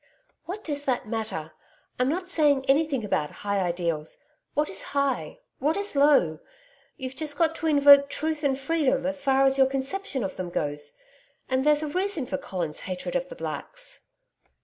'What does that matter! I'm not saying anything about high ideals. What is high? .... What is low? .... You've just got to invoke truth and freedom as far as your conception of them goes.... And there's a reason for Colin's hatred of the Blacks.'